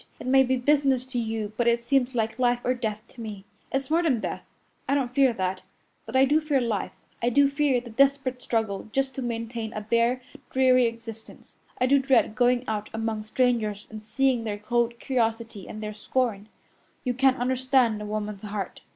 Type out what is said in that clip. It may be business to you, but it seems like life or death to me. It's more than death I don't fear that but I do fear life, I do fear the desperate struggle just to maintain a bare, dreary existence. I do dread going out among strangers and seeing their cold curiosity and their scorn. You can't understand a woman's heart.